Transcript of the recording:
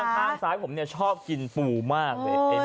ทางสายผมเนี่ยชอบกินปูมาก